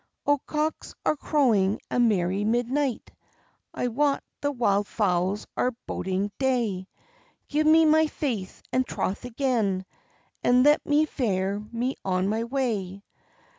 "O, cocks are crowing a merry midnight, I wot the wild fowls are boding day; Give me my faith and troth again, And let me fare me on my way."